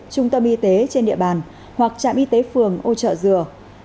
trung tâm y tế trên địa bàn hoặc trạm y tế phường ô trợ dừa chín trăm bảy mươi ba bốn mươi bốn bảy mươi ba